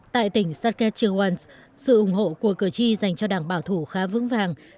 tại tỉnh saketchewans sự ủng hộ của cử tri dành cho đảng bảo thủ khá vững vàng